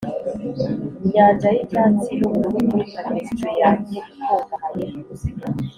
inyanja yicyatsi nubururu kuri tapestry yanjye ikungahaye.